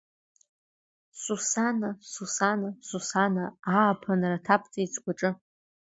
Сусана, Сусана, Сусана, Ааԥынра ҭабҵеит сгәаҿы.